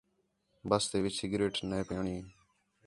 بَس تے وِچ سگریٹ نے پیݨ ای